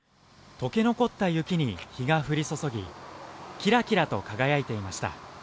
解け残った雪に日が降り注ぎ、キラキラと輝いていました。